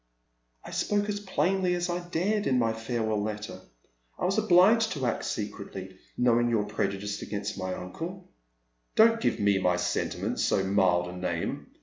" I spoke as plainly as I dared in my farewell letter. I was obliged to act secretly, knowing your prejudice against my uncle." " Don't give my sentiment so mild a name.